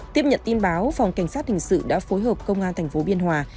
tiếp nhận tin báo phòng cảnh sát hình sự đã phối hợp công an tp biên hòa